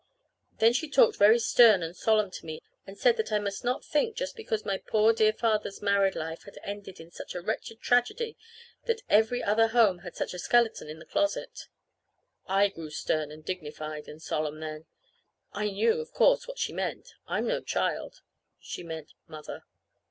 Then she talked very stern and solemn to me, and said that I must not think just because my poor dear father's married life had ended in such a wretched tragedy that every other home had such a skeleton in the closet. I grew stern and dignified and solemn then. I knew, of course, what she meant. I'm no child. She meant Mother.